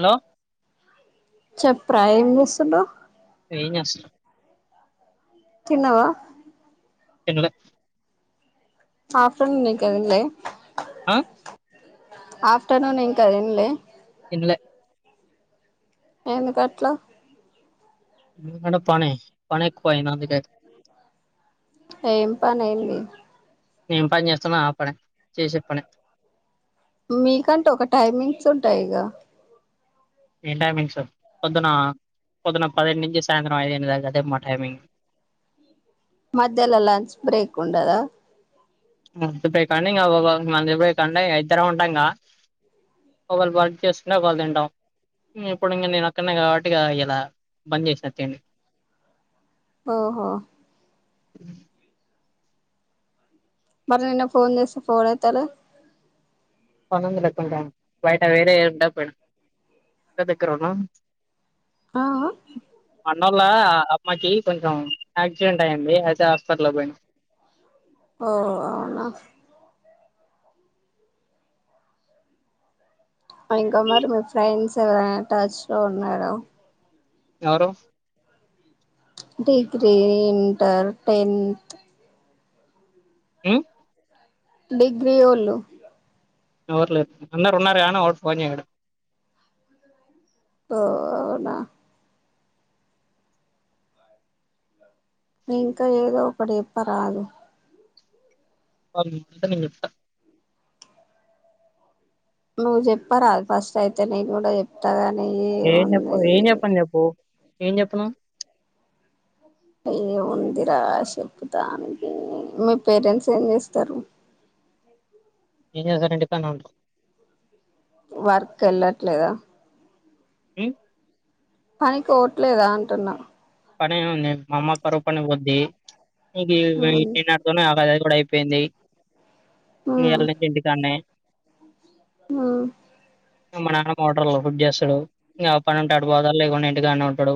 Hello చెప్ పై ఏం చేస్తుండు? ఏం చేస్తాలే తిన్నవా తిన్లే ఆఫ్టర్నూన్ ఇంకా తిన్లే ఆ ఆఫ్టర్నూన్ ఇంకా తిన్లే? తిన్లే. ఎందుకట్లా? మన పని పనెక్కువైంది అందుకే ఏం పనేంది. ఏం పని చేస్తానో ఆ పనే చేసే పనే మీ కంటే ఒక టైమింగ్స్ ఉంటయిగా? ఏం టైమింగ్స్ పొద్దున పొద్దున పదిహేను నుంచి సాయంత్రం ఐదింటిదాక అదే మా టైమింగ్ మధ్యల లంచ్ బ్రేక్ ఉండదా? ఉంటాయి కానీ ఇగ లంచ్ బ్రేక్ అంటే ఇద్దరం ఉంటాంగా ఒకళ్ళు వర్క్ చేస్తుంటే ఒకళ్ళు తింటాం. మ్ ఇప్పుడు ఇంకా నేను ఒక్కన్నే కాబట్టి ఇగ ఇలా బంద్ చేసినా తిండి ఓహో మరి నిన్న ఫోన్ చేస్తే ఫోన్ ఎత్తలె పనుందిలె కొంత బైట వేరే [inaudible] ఆ అ అందువల్ల అమ్మకి కొంచం యాక్సిడెంట్ అయింది. అయితే హాస్పిటల్లో పోయినం ఓ ఆ ఇంకా మరి మీ ఫ్రెండ్స్ ఎవరైనా టచ్లో ఉన్నారా? ఎవరు? Degree, inter, tenth. హ్ డిగ్రీ వోళ్ళు. ఎవర్ లేరు ఉన్నర్ ఉన్నార్ గని ఎవడు ఫోన్ చేయడు. [unintelligible] ఇంకా ఏదో ఒకటి చెప్పరాదు. [unintelligible] నువ్ చెప్పరాదు ఫస్ట్ అయితే నేను గూడ చెప్తా గా ఏం చెప్పావు. ఏం చెప్పను చెప్పూ ఏం చెప్పను. అయ్యో ఉందిరా చెప్తానికి మీ పేరెంట్స్ ఏం చేస్తారు. ఏం చేస్తర్ ఇంటికాడ్నే ఉంటరు. వర్క్ ఎళ్ళట్లేదా? మ్మ్ పనికోవట్లేదా అంటున్నా పని ఉంది మా అమ్మ కరవుపనికివోద్ది ఇది ఉమ్ ఇచ్చిన దాంతోనే ఆగదు తోడు అయిపేయింది ఇయాల నుంచి ఇంటికాన్నే ఆ మా నాన్న మోటర్లు ఫిడ్ చేస్తాడు, ఇంకా పని ఉంటే ఆడుపోతాడు లేకుంటే ఇంటికానే ఉంటడు.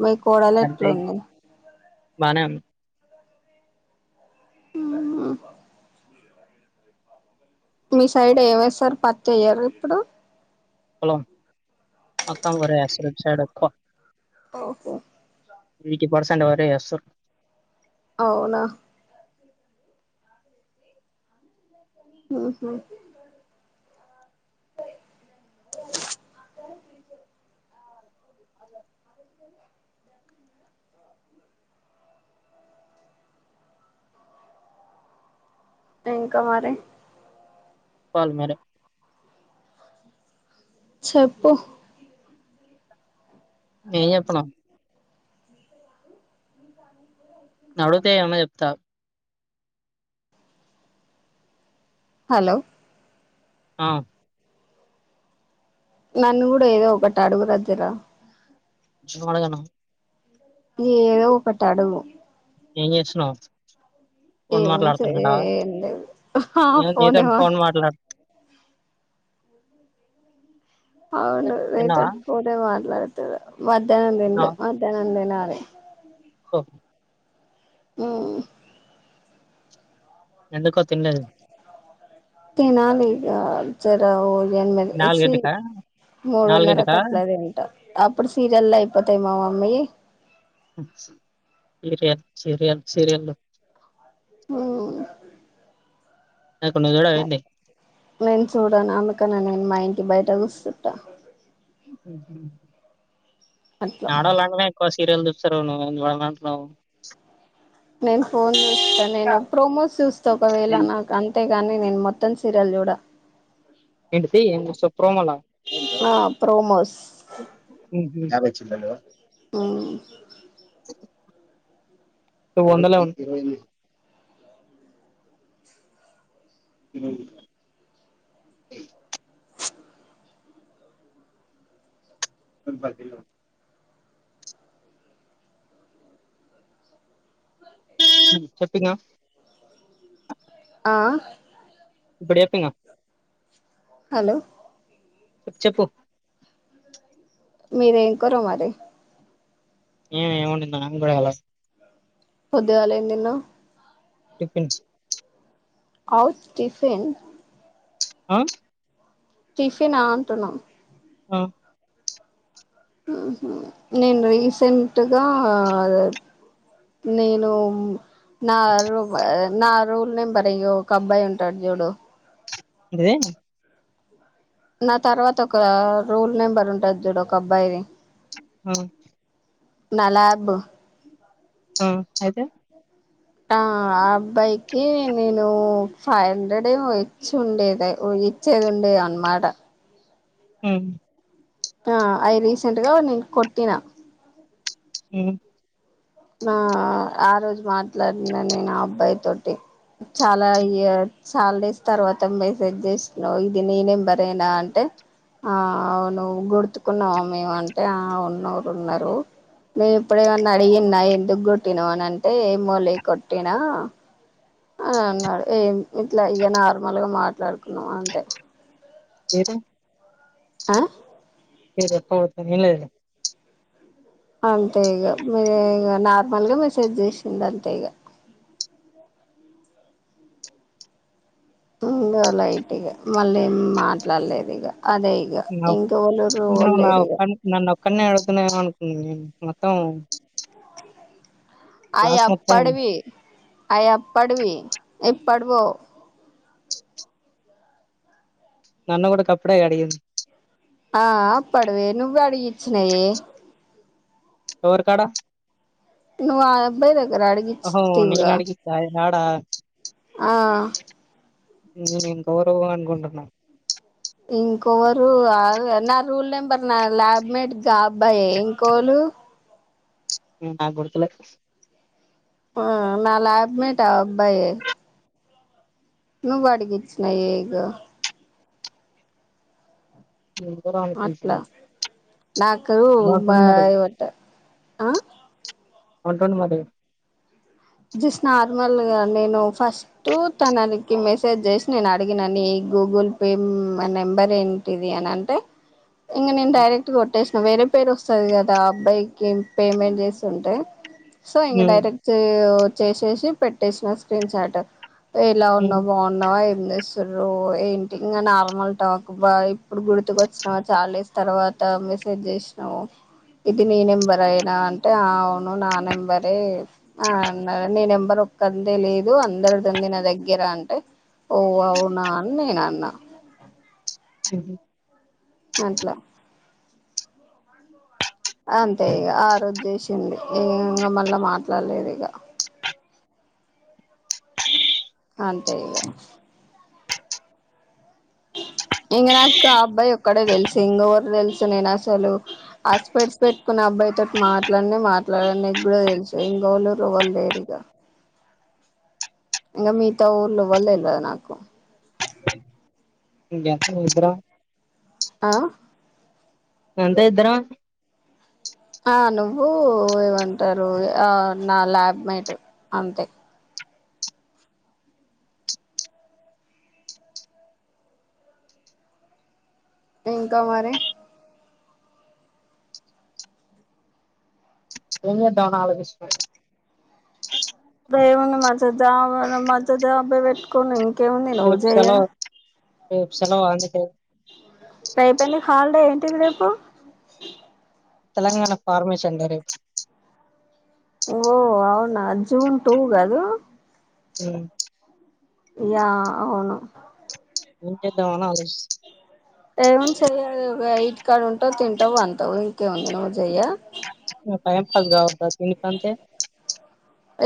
మీ కోడలు ఎట్లుంది బానేవుం మ్మ్ హ్ మీ సైడ్ ఏమేస్సారు పత్తి ఎయ్యరు ఇప్పుడు ఓ మొత్తం వరేస్సరు ఇటు సైడ్ ఎక్కువ ఓహో ఎయిటీ పర్సెంట్ వరేస్సార్ అవునా ఉహు వచ్చేది టెంకా మరి పాల్మెేరి చెప్పు ఏ ఎప్ప ను నడుతే ఏమన చెప్తా హలో ఆ నన్ను కూడా ఏదో ఒకట అడుగు రజ్జరా ఏ వడగను ఏ ఏదో ఒకటి అడుగు ఏ చేస్తున్నావ్ ఏ ఉంచ ఏం లేదు నేను నీతోని ఫోన్ మాట్లాడుతుంటే అవును తిన్నావా రైతోడు కూలే మాట్లాడ ట్యవ్ మధ్యాహ్నం దిన్ మధ్యాహ్నం దిన అ ఓహొ మ్మ్ ఎందుకు తినలేదు తినాలి ఇగ జర ఎందన్ ఎచ్చి నాలుగింటికా మూడున్నర నాలుగింటికా కట్టలేదంట అప్పుడు సీరియల్ అయిపోతాయి మామ, మయి సిరియన్ సీరియన్ సీరియన్లు హ్మ్ నాకు నువ్వు చూడవా ఏంది నేను చూడను అందుకనే నేను మైం టి బయట గూస్సుట్టా ఊహూ అట్లా ఆడోళ్ళంటేనే ఎక్కువ సీరియల్ చూ సరు నువ్వేం చూడనంటున్నావు నేను ఫోన్ చూస్తా నేను ప్రోమోస్ చూస్తా ఒకవేళ నాకు అంతే కానీ నేను మొత్తం సీరియల్ చూడ ఏంటిఫి ఏం చూస్తవ్ ప్రోమోలా ఆ ప్రోమోస్ ఊహూ చిన్నదో ఆ వందలా ఉంది ఇరవై ఎనిమిది [unintelligible] చెప్పింగ ఆ ఇప్పుడు చెప్పింగా హలో చెప్పు మీదేం కూర మరి ఏమో ఏమండిందొ నాకు కూడా తెలువదు పొద్దుగాల ఏం తిన్నావ్ టిఫిన్స్ అవ్ టిఫిన్స్ ఆ టిఫినా అంటున్నా ఆ హుమ్ నేను రీసెంట్గా అది నేను నా రువ్ నా రూమ్ నెంబర్ ఒక అబ్బాయి ఉంటాడు చూడు ఏంది నా తర్వాత ఒక రూమ్ నెంబర్ ఉంటది చూడు ఒక అబ్బాయిది హుమ్ నా లాబ్ ఆ అయితే ఆ ఆ అబ్బాయికి నేను ఫైవ్ హండ్రెడ్ ఏమో ఇచ్చి ఉండేది ఊ ఇచ్చేదుండేది అన్నమాట ఉమ్ ఆ అయి రీసెంట్గా నేను కొట్టినా ఊ ఆ ఆరోజు మాట్లాడినా నేను ఆ అబ్బాయి తోటి చాలా ఇయర్ చాలా డేస్ తర్వాత మేసేజ్ చేసినావు ఇది నీ నేంబరేనా అంటే ఆ అవును గుర్తుకున్నావా మేము అంటే ఆ ఉన్నరు ఉన్నారు నేను ఇప్పుడేమన్నా అడిగే న్నా ఎందకు కొట్టినవ్ అని అంటే ఏమోలే కొట్టినా అని అన్నాడు ఏం ఇట్ల ఇగ నార్మల్ గా మాట్ ట్లాడుకున్నాం అంతే చేదు ఆ మీరు [unintelligible] అంతే ఇగ మీరే ఇగ నార్మల్ గా మెసేజ్ చేసిండు అంతే ఇగ ఇగా లైట్గా మళ్ళ ఏం మాట్లాడలేదు ఇగ అదే ఇగా నా ఇంకా ఎవాళ్ళూరు నువ్వు నా వల్లెరీగా ఒక్క నన్ను [unintelligible] మొత్తం క్లాస్ మొత్తం ఆయప్పడివి ఆయప్పడివి ఇప్పుడువో నన్న కూడా కప్పుడ అడింది ఆ పడవే నువ్్వవు అడిగిచ్చినాయే సరుకాడ నువ్ అబ్బాయి దగగర అడిగిచ్చ ఓహో నేను తీవగా అడిగి ఆడా ఆ న నేను గౌరవం అనుకుంటున్నా ఇంకోొవరు నా రూల్ నెంబర్ నా ల్యాబ్మేట్ జ అబ్బాయ ఇంకోొళ ఆబడుతుల ఆ నళ అబ్మటా అబ్బాయిే నువ్ వాడిగిచ్చన్నా ఏగ ఎవరో అట్లా అనుకుంటున్నాను డాకరు ఏమంటుండు మరి బాయ ఒకట ఆ అంట ఉండి మరి జస్ట్ నార్మల్గా నేను ఫస్ట్ తనకి మెసేజ్ చేసి నేను అడిగినా న ఈ గూగుల్ పే నెంబర్ ఏంటిది అని అంటే ఇంక నేను డైరెక్ట్గా కొట్టేసా వేరే పేరు వస్తుంది కదా అబ్బాయికి పేమెంట్ చేస్తుంటే సో ఇంగ ఉమ్ డైరెక్ట్ చేసేసి పెట్టేసిన స్క్రీన్ షాట్ ఎలా ఉమ్ ఉన్నా్ బాగున్నావ అస్తు్రు ఏంటి ఇంకా నాలమల్టకు బా ఇప్పుడు గుర్తుకు వచ్చినావా చాలా డేస్ తర్వాత మెసేజ్ చేసినావు ఇది నీ నెంబర్ అయినా అంటే అవును నా నెంబరే ఆ అన్నా నీ నెంబర్ ఒక్కంది లేదు అందరి తంది నా దగ్గర అంటే ఓ అవునా అని నేను అన్నా స మట్లా అంతే ఇక ఆరుద్దసింది ఇ ఇంకా మళ్ళా మాట్లాడలేదు ఇక అ తెలిలే [inaudible] ఎం నాక ఆ అబ్బాయి ఒక్కడే తెలి సింగవర్ తెలుసు నేను అసలు హస్పట్సి పెట్టుకున్న అబ్బాయితోో మాట్లాడిని మాట్లాడ న కూడా తెలుసు సింగవలు రువలుడేరిగా ఇంకా మిగతా ఊర్లో వళ్ళళ నాకు ఇం ఎంత వసరా ఆ ఎంటే ఇద్దర నుబ ఏమంటారు నా ల్యాబ్ మైట్ అంతే ఇంకా మరి ఎ ోనాళ కృష్ణ ఏమంది మధ జా మధ జాబ్ే పెట్టుకని కే ఉంది రేపు ఉజయయా సెలవు సెలవు అందిట పైపలి హల్డే ఏంటిడేపు తెలంగాణ ఫార్మ చందరు ఓ అవునా జూన్ టూ గదు హ్మ్ యా అవును ఏం చేద్దామా అని ఆలోచిస్ ఏం చెయ్యలేవు గా ఇంటి కాడ ఉంటావ్ తింటావ్ పంటావ్ ఇంకేముంది నువ్వు జయ్య ఇంకేం పని కావద్దా దీని కంతే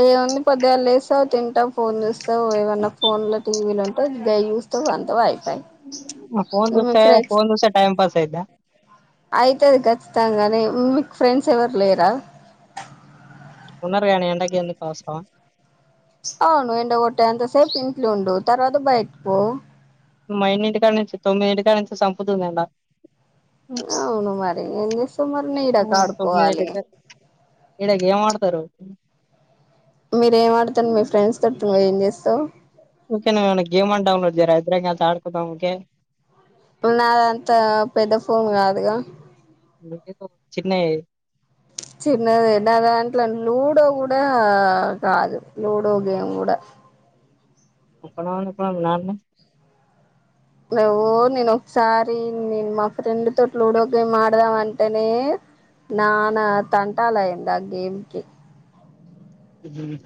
ఏముంది పొద్దిగాల లేస్తావు తింటావు ఫోన్ చూస్తావు ఏమన్నా ఫోన్ లో టీవీలు ఉంటా గయి చూస్తావు అంతే అయి ఫోన్ చూస్తాయే ఫోన్ చూస్తే టైమ్ పాస్ అంతే గా అయితది ఖచ్చితంగానే మీకు ఫ్రెండ్స్ ఎవరు లేరా ఉన్నారు గానీ ఎండకి ఎందుకు అవసరమా అవును ఎండ కొట్టే అంతసేపు ఇంట్లుండు తర్వాత బయట పో మ ఎన్నింటికాడ నుంచి తొమ్మిది ఇంటికాడ నుంచి చంపుతుంది ఎండ అవును మరి ఏం చేస్తా మరి నీడ కా ఆడుకోవాలి నీడకి ఏం ఆడతారు మీర ఏం ఆడుతను మీ ఫ్రెండ్స్ తోడుత నువ్వు ఏం చేస్తావు ఓకే న ఏమైనా గేమైనా డౌన్లోడ్ చేయరా ఇద్దరం కలిసి ఆడుకుందాం ఓకే నాదంతా పెద్ద ఫోన్ కాదుగా చిన్నయి చిన్నది నా దాంట్లో లూడో కూడా కాదు, లూడో గేమ్ కూడా. ఉప్పనో అందుకున్నామ్ నాన్య నువ్వు నేన్ ఒకసారి నేన్ మా ఫ్రెండ్ తోటి, లూడో గేమ్ ఆడదాం అంటేనే నాన తంటాల అయ్యంది ఆ గేమ్కి. హు మ్మ్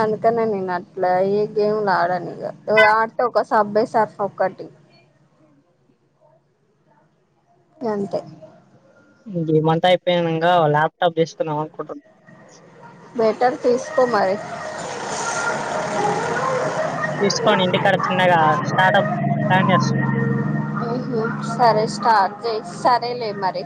అందుకనే నేను అట్లా ఏ గేమ్లు ఆడను ఇగ, ఆడితే ఒక సబ్వే సర్ఫ్ ఒకటి. గంతే ఇగ్ ఈ మంత్ అయిపోయినంగా ల్యాప్టాప్ తీసుకుందాం అనుకుంటున్ బెటర్ తీసుకో మరి తీసుకోని ఇంటికాడ చిన్నగా స్టార్టప్ ప్లాన్ చేస్తున్నా హు హ్మ్ సరే స్టార్ట్ చేయి సరేలే మరి